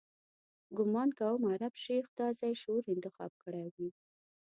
ګومان کوم عرب شیخ دا ځای شعوري انتخاب کړی وي.